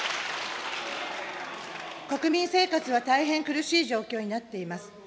国民生活は大変苦しい状況になっています。